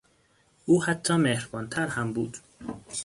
او حتی مهربانتر هم بود.